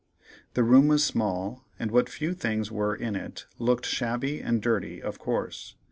The room was small, and what few things were in it looked shabby and dirty of course.